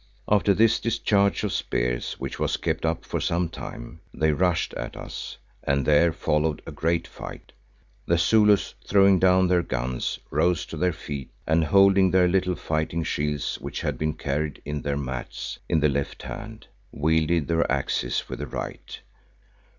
After this discharge of spears which was kept up for some time, they rushed at us and there followed a great fight. The Zulus, throwing down their guns, rose to their feet and holding their little fighting shields which had been carried in their mats, in the left hand, wielded their axes with the right.